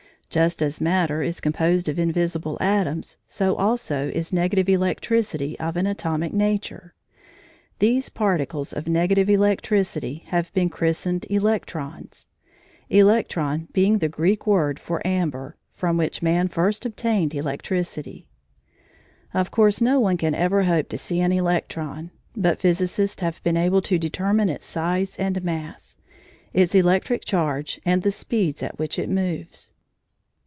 Just as matter is composed of invisible atoms, so also is negative electricity of an atomic nature. These particles of negative electricity have been christened electrons, electron being the Greek word for amber, from which man first obtained electricity. Of course no one can ever hope to see an electron, but physicists have been able to determine its size and mass, its electric charge, and the speeds at which it moves.